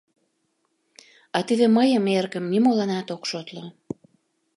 — А теве мыйым эргым нимоланат ок шотло.